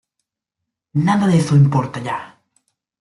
Nada de eso importa ya.